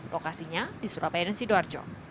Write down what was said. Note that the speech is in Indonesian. lokasinya di surabaya dan sidoarjo